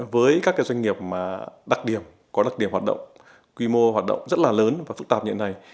với các doanh nghiệp có đặc điểm hoạt động quy mô hoạt động rất là lớn và phức tạp như thế này